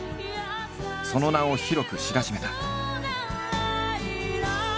その名を広く知らしめた。